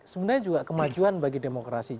sebenarnya juga kemajuan bagi demokrasi